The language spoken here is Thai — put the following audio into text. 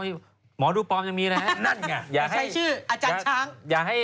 หมอดูปลอมยังมีนะคะอย่างให้นั่นไงอาจารย์ชทำ